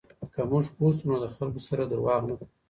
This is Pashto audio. که موږ پوه شو، نو د خلکو سره درواغ نه کوو.